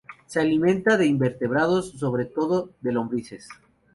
Se alimenta de invertebrados, sobre todo de lombrices.